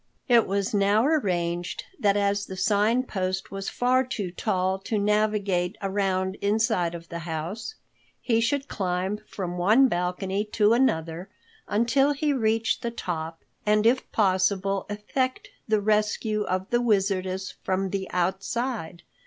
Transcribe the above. It was now arranged that as the Sign Post was far too tall to navigate around inside of the house, he should climb from one balcony to another until he reached the top and if possible effect the rescue of the Wizardess from the outside.